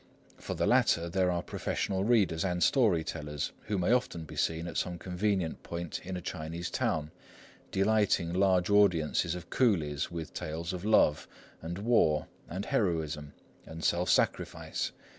For the latter, there are professional readers and story tellers, who may often be seen at some convenient point in a Chinese town, delighting large audiences of coolies with tales of love, and war, and heroism, and self sacrifice.